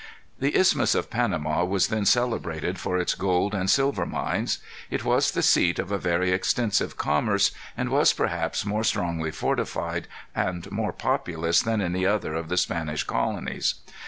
The Isthmus of Panama was then celebrated for its gold and silver mines. It was the seat of a very extensive commerce, and was perhaps more strongly fortified and more populous than any other of the Spanish colonies.